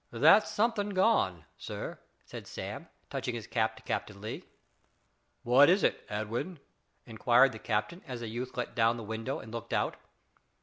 "That's somethin' gone, sir," said Sam, touching his cap to Captain Lee. "What is it, Edwin?" inquired the captain as the youth let down the window and looked out.